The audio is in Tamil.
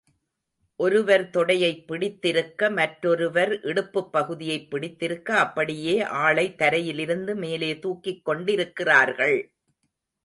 ஒருவர் தொடையைப் பிடித்திருக்க, மற்றொருவர் இடுப்புப் பகுதியைப் பிடித்திருக்க, அப்படியே ஆளை தரையிலிருந்து மேலே தூக்கிக் கொண்டிருக்கிறார்கள்.